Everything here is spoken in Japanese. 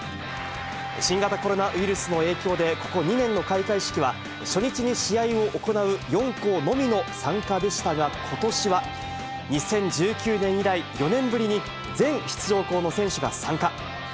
新型コロナウイルスの影響で、ここ２年の開会式は、初日に試合を行う４校のみの参加でしたが、ことしは、２０１９年以来４年ぶりに、全出場校の選手が参加。